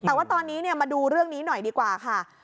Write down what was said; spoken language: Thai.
แต่ว่าตอนนี้มาดูเรื่องนี้หน่อยดีกว่าค่ะ